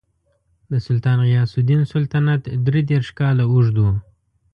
د سلطان غیاث الدین سلطنت درې دېرش کاله اوږد و.